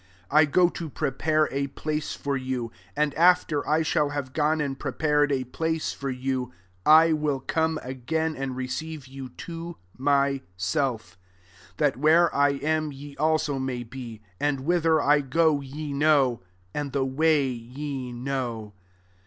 I go to prepare a place for you. 3 And after I shall have gone and pre pared a place for you,t I will come again, and receive you to mysdf; that, where I am, ye also may be. 4 And whither I go, ye know; and the way ye know."